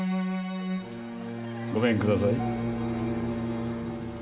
ごめんください。